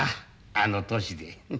あの年で。